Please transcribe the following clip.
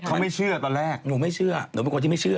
เขาไม่เชื่อตอนแรกหนูไม่เชื่อหนูเป็นคนที่ไม่เชื่อ